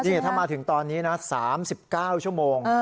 นี่ถ้ามาถึงตอนนี้นะสามสิบเก้าชั่วโมงเออ